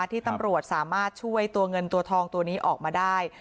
ที่ตำรวจสามารถช่วยตัวเงินตัวทองตัวนี้ออกมาได้